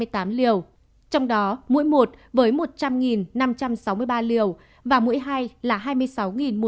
trong đó mũi một với một trăm linh năm trăm sáu mươi ba liều và mũi hai là hai mươi sáu một trăm chín mươi năm liều